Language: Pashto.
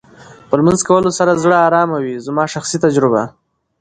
په لمونځ کولو سره زړه ارامه وې زما شخصي تجربه